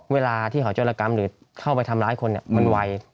เวลาที่เขาจรกรรมหรือเข้าไปทำร้ายคนมันไว